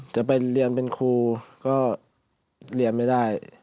จะไปเรียนเป็นครูก็เรียนไม่ได้